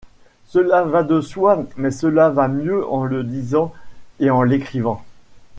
Cela va de soi mais cela va mieux en le disant et en l’écrivant.